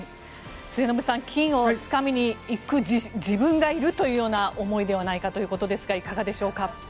末延さん金をつかみに行く自分がいるというような思いなのではないかということですがいかがでしょうか。